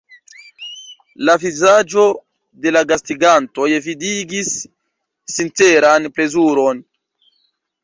La vizaĝoj de la gastigantoj vidigis sinceran plezuron.